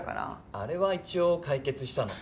あれは一応解決したの。